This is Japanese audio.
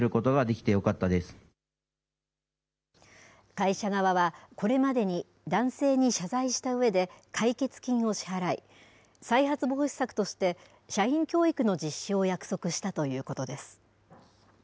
会社側は、これまでに男性に謝罪したうえで解決金を支払い、再発防止策として、社員教育の実施を約束したということです。